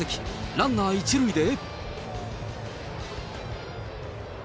ランナー１塁で。